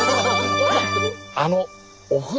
あのお風呂